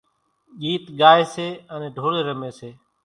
ڳيت ڳائيَ سي انين ڍولين رميَ سي۔